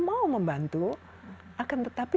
mau membantu akan tetapi